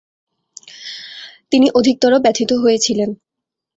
তিনি অধিকতর ব্যথিত হয়েছিলেন।